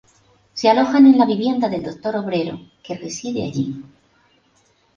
Se alojan en la vivienda del doctor Obrero, que reside allí.